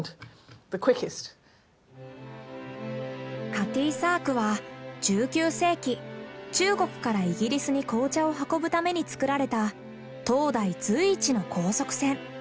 カティーサークは１９世紀中国からイギリスに紅茶を運ぶために造られた当代随一の高速船。